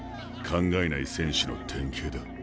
考えない選手の典型だ。